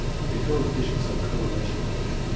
The coefficients of correlation r^nge from